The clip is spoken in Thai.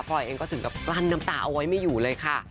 เองก็ถึงกับกลั้นน้ำตาเอาไว้ไม่อยู่เลยค่ะ